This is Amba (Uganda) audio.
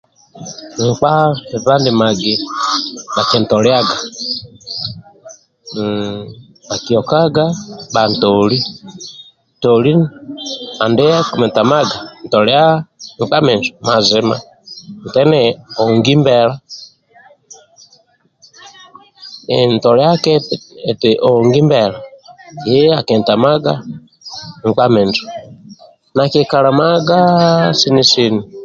Nkpa nkpa ndimagi bhakintoliaga hmm akiokaga bhantoli toli andia akintamaga tolia nkpa minjo mazima nti ni ongi mbela entoliaki nti eti ongi mbela, ye akintamaga nkpa minjo nakikalamagaa sini sini.